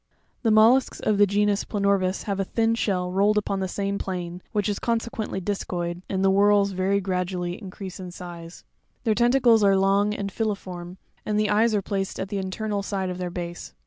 The mollusks of the genus Phanoreis have a thin shell rolled upon the same plane, which is consequently discoid, and the whorls very gradually increase in size (fig. 29). Their tentacles are long and filiform, and the eyes are placed at the internal side of their base.